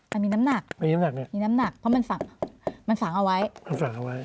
มันมีน้ำหนักมีน้ำหนักเนี่ยมีน้ำหนักเพราะมันฝังมันฝังเอาไว้คือฝังเอาไว้